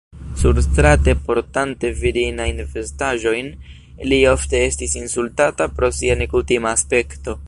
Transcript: Surstrate, portante virinajn vestaĵojn, li ofte estis insultata pro sia nekutima aspekto.